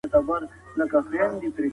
د دلارام په دښتو کي پخوا ډېري هوسۍ ګرځېدې